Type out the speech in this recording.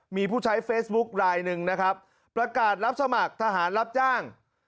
มีผู้ใช้เฟซบุ๊คลายหนึ่งนะครับประกาศรับสมัครทหารรับจ้าง